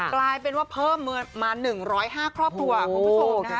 กลายเป็นว่าเพิ่มมา๑๐๕ครอบครัวคุณผู้ชมนะคะ